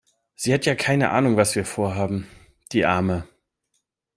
Sie hat ja keine Ahnung was wir Vorhaben. Die Arme.